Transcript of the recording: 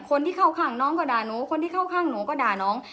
คนที่เข้าข้างน้องก็ด่าหนูคนที่เข้าข้างหนูก็ด่าน้อง